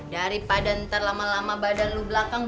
daripada ntar lama lama badan lo belakang